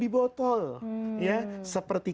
di botol seperti